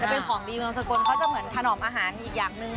แต่เป็นของดีมากสะกดเค้าจะเหมือนถนอมอาหารอีกอย่างนึง